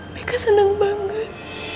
mereka senang banget